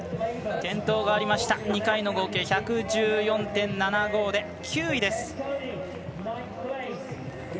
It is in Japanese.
２回の合計、１１４．７５で９位。